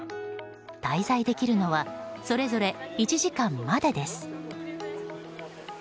滞在できるのはそれぞれ１時間までです。